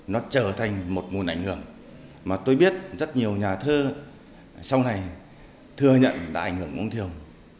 nó trở thành một nguồn ảnh hưởng mà tôi biết rất nhiều nhà thơ sau này thừa nhận đã ảnh hưởng của ông thiều